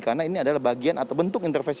karena ini adalah bagian atau bentuk intervensi